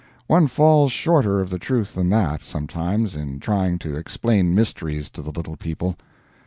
One falls shorter of the truth than that, sometimes, in trying to explain mysteries to the little people.